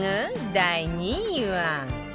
第２位は